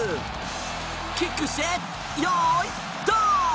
キックしてよーい、ドン！